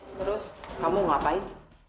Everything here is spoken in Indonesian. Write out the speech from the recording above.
terus kamu ngapain